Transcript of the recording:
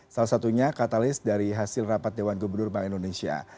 salah satunya katalis dari hasil rapat dewan gubernur bank indonesia